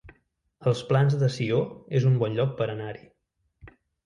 Els Plans de Sió es un bon lloc per anar-hi